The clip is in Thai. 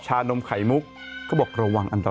ชานมไขมุกก็บอกระวังอันตราย